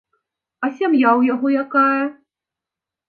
А сям'я ў яго якая?